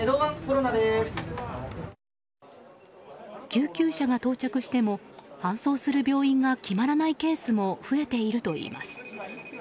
救急車が到着しても搬送する病院が決まらないケースも増えているといいます。